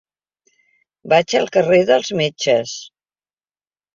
Vaig al carrer dels Metges.